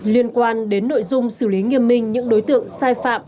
liên quan đến nội dung xử lý nghiêm minh những đối tượng sai phạm